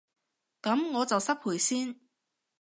噉我就失陪先